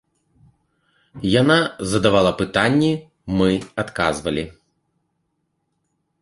Яна задавала пытанні, мы адказвалі.